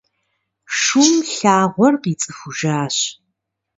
Шум лъагъуэр къицӏыхужащ.